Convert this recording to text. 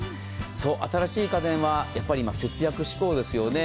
新しい家電は今、節約志向ですよね。